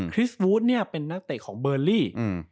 ริสวูดเนี่ยเป็นนักเตะของเบอร์ลี่